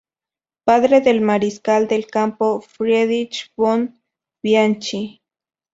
Padre del mariscal de campo Friedrich von Bianchi.